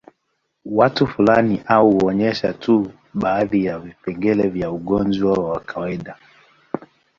Watu fulani au kuonyesha tu baadhi ya vipengele vya ugonjwa wa kawaida